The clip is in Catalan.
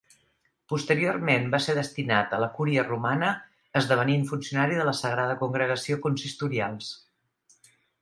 Posteriorment va ser destinat a la Cúria Romana, esdevenint funcionari de la Sagrada Congregació Consistorials.